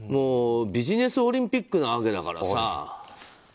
ビジネスオリンピックなわけだからさ。